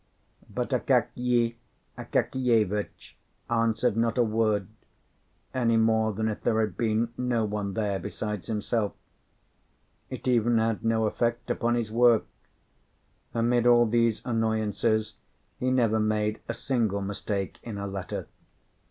But Akakiy Akakievitch answered not a word, any more than if there had been no one there besides himself. It even had no effect upon his work: amid all these annoyances he never made a single mistake in a letter.